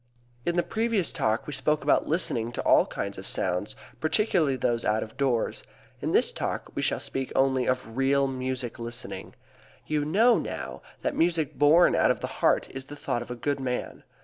In the previous Talk we spoke about listening to all kinds of sounds, particularly those out of doors. In this Talk we shall speak only of real music listening. You know, now, that music born out of the heart is the thought of a good man.